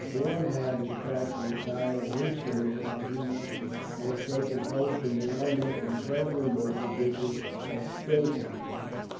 Daun had, in fact, retired hastily from Meissen, and had taken post in an almost impregnable position at Stolpen.